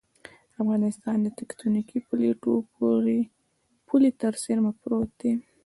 افغانستان تکتونیکي پلیټو پولې ته څېرمه پروت دی